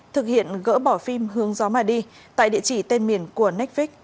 thực hiện gỡ bỏ phim hướng gió mà đi tại địa chỉ tên miền của necvix